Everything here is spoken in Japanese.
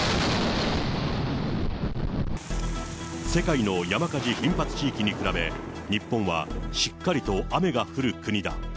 世界の山火事頻発地域に比べ、日本はしっかりと雨が降る国だ。